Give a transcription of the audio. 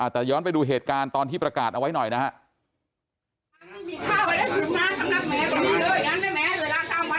แต่ย้อนไปดูเหตุการณ์ตอนที่ประกาศเอาไว้หน่อยนะครับ